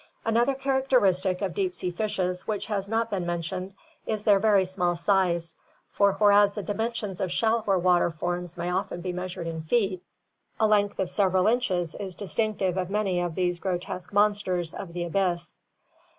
Another characteristic of deep sea fishes which has not been mentioned Ls their very small size, for whereas the dimensions of shallower water forms may often be measured in feet, a length of several inches is distinctive of many of these grotesque "mon sters" of the abvss.